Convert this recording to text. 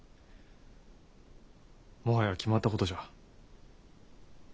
もはや決まった事じゃ。